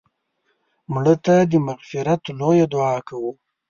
مړه ته د مغفرت لویه دعا کوو